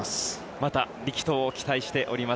また力投を期待しています。